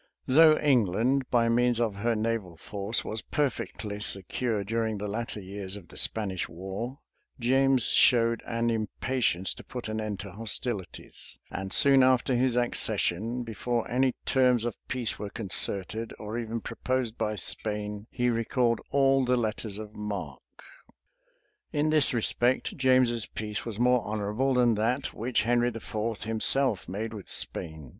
Though England, by means of her naval force, was perfectly secure during the latter years of the Spanish war, James showed an impatience to put an end to hostilities; and soon after his accession, before any terms of peace were concerted, or even proposed by Spain, he recalled all the letters of marque. In this respect, James's peace was more honorable than that which Henry IV. himself made with Spain.